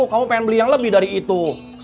kamu pengen beli yang lebih dari itu